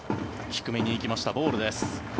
低めに行きましたボールです。